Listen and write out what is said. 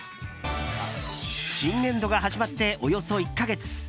新年度が始まっておよそ１か月。